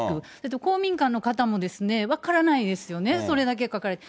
公民館の方も、分からないですよね、それだけ書かれたら。